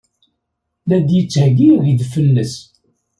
La d-yettheyyi agdef-nnes.